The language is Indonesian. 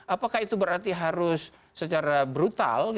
apakah itu berarti harus secara brutal